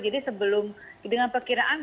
jadi sebelum dengan perkiraannya